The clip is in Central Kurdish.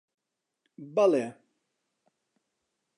بەڵێ.